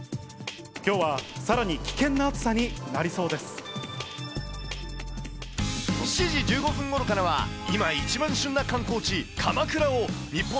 きょうはさらに危険な暑さに７時１５分ごろからは、今一番旬な観光地、時刻は６時４４分。